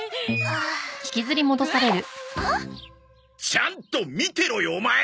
ちゃんと見てろよオマエ！